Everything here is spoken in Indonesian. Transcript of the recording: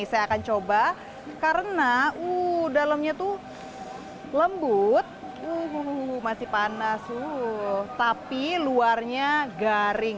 saya akan coba karena dalamnya lembut masih panas tapi luarnya garing